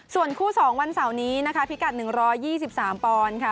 ส่วนคู่๒วันเสาร์นี้นะคะพิกัด๑๒๓ปอนด์ค่ะ